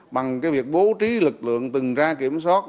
bằng cái việc bố trí lực lượng từng ra kiểm soát